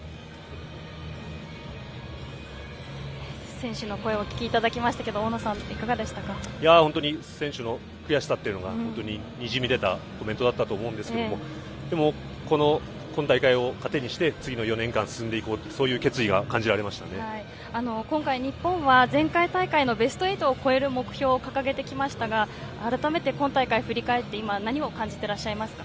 選手の声をお聞きいただきましたけれども、大野さん、いかがで本当に選手の悔しさというのが、本当ににじみ出たコメントだったと思うんですけれどもでも、今大会を糧にして、次の４年間進んでいこうというそういう今回日本は、前回大会のベスト８を超える目標を掲げてきましたが、改めて今大会振り返って、今、何を感じていらっしゃいますか。